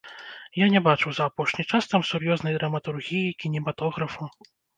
Я не бачыў за апошні час там сур'ёзнай драматургіі, кінематографу.